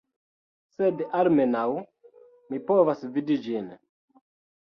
Sed almenaŭ mi povas vidi ĝin